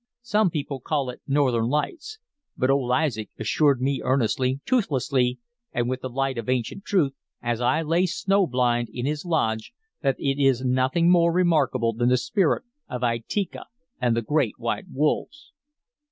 Some people call it Northern Lights, but old Isaac assured me earnestly, toothlessly, and with the light of ancient truth, as I lay snow blind in his lodge, that it is nothing more remarkable than the spirit of Itika and the great white wolves."